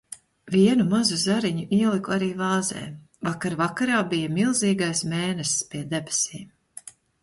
Vienu mazu zariņu ieliku arī vāzē. Vakar vakarā bija milzīgais mēness pie debesīm.